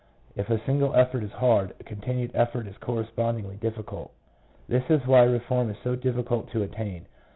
If a single effort is hard, a continued effort is correspond ingly difficult. This is why reform is so difficult to attain.